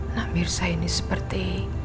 namirsa ini seperti